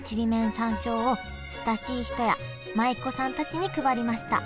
山椒を親しい人や舞妓さんたちに配りました。